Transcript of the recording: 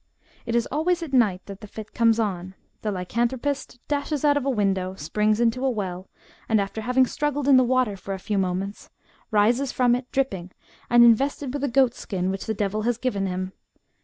It is always at night that the fit comes on. The lycanthropist dashes out of a window, springs into a weU, and, after having struggled in the water for a few moments, rises from it, dripping, and invested with a goatskin which the devil has given him.